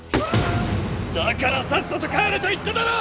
だからサッサと帰れと言っただろう！